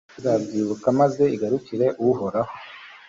izabyibuka maze igarukire uhoraho